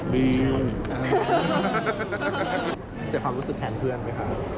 เสียความรู้สึกแทนเพื่อนไหมคะ